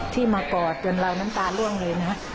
ที่มากอดเตือนเราน้ำตาล่วงเลยนะ